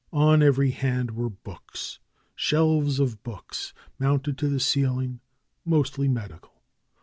On every hand were books. Shelves of books mounted to the ceiling, mostly medical.